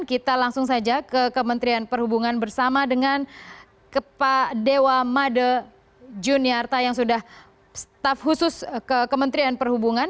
kita langsung saja ke kementerian perhubungan bersama dengan pak dewa made juniarta yang sudah staff khusus kementerian perhubungan